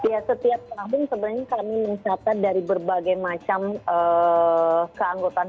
ya setiap tahun sebenarnya kami mencatat dari berbagai macam keanggotaan